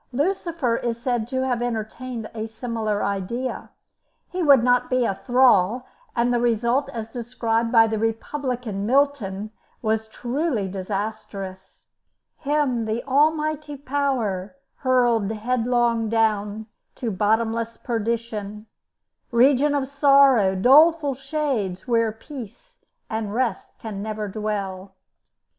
Lucifer is said to have entertained a similar idea. He would not be a thrall, and the result as described by the republican Milton was truly disastrous: "Him the Almighty Power Hurl'd headlong down to bottomless perdition Region of sorrow, doleful shades, where peace And rest can never dwell."